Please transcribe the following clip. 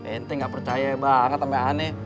ente enggak percaya banget sama aneh